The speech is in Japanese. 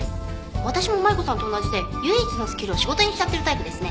私もマリコさんと同じで唯一のスキルを仕事にしちゃってるタイプですね。